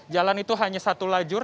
jalan itu hanya satu lajur